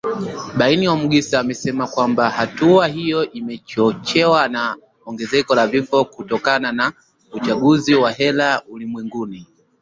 Bain Omugisa amesema kwamba hatua hiyo imechochewa na ongezeko la vifo kutokana na uchafuzi wa hewa ulimwenguni